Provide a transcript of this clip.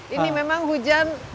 ini memang hujan